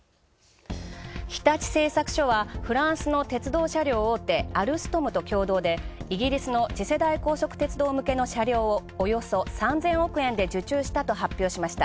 日立製作所はフランスの鉄道車両大手アルストムと共同でイギリスの次世代高速鉄道向けの車両をおよそ３０００億円で受注したと発表しました。